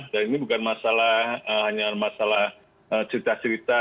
dan ini bukan masalah hanya masalah cerita cerita